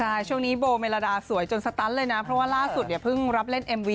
อันนี้ก็ต้องรอดูโอกาสครับ